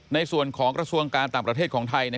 ในส่วนของกระทรวงการต่างประเทศ